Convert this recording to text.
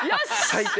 最低！